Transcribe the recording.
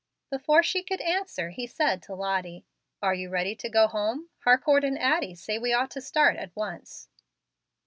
Before she could answer, he said to Lottie, "Are you ready to go home? Harcourt and Addie say we ought to start at once."